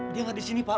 dia gak disini pak